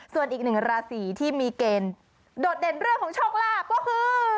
ส่วนอีกหนึ่งราศีที่มีเกณฑ์โดดเด่นเรื่องของโชคลาภก็คือ